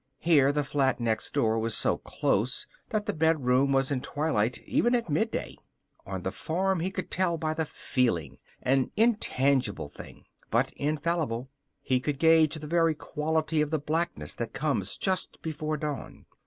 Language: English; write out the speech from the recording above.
Here the flat next door was so close that the bed room was in twilight even at midday. On the farm he could tell by the feeling an intangible thing, but infallible. He could gauge the very quality of the blackness that comes just before dawn.